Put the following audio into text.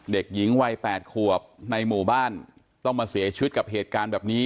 เด็กหญิงวัย๘ขวบในหมู่บ้านต้องมาเสียชีวิตกับเหตุการณ์แบบนี้